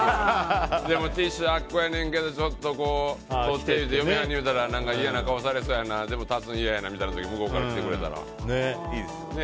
でも、ティッシュあそこやねんけどちょっと取ってって嫁に言うたら何か嫌な顔されそうやなでも立つの嫌やなっていう時向こうから来てくれたらいいですよね。